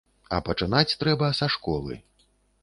А пачынаць трэба са школы.